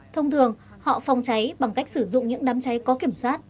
thông thường họ phòng cháy bằng cách sử dụng những đám cháy có kiểm soát